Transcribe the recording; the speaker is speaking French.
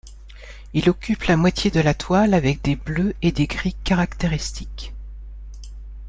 Il occupe la moitié de la toile avec des bleus et des gris caractéristiques.